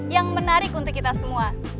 yang menarik untuk kita semua